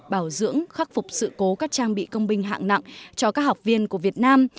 bảo dưỡng khắc phục sự cố các trang bị công binh hạng nặng cho các học viên của việt nam